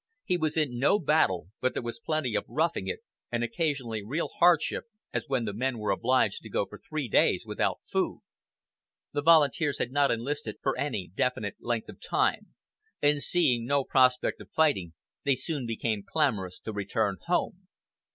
He was in no battle, but there was plenty of "roughing it," and occasionally real hardship, as when the men were obliged to go for three days without food. The volunteers had not enlisted for any definite length of time, and seeing no prospect of fighting, they soon became clamorous to return home.